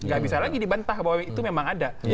nggak bisa lagi dibantah bahwa itu memang ada